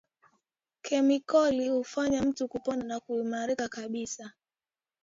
kemikali hufanya mtu kupona na kuimarika kabisa